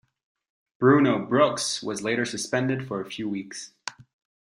Bruno Brookes was later suspended for a few weeks.